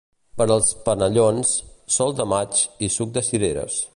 Per als penellons, sol de maig i suc de cireres.